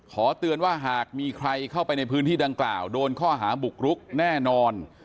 ขอเตือนว่าหากมีใครเข้าไปในพื้นที่ดังกล่าวโดนข้อหาบุกรุกแน่นอน